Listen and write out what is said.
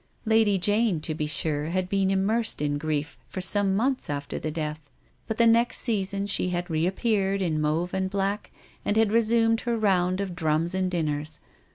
Lady Jane, to be sure, had been immersed in grief for some months after the death, but the next season she had reappeared in mauve and black, and had resumed her round of drums and dinners.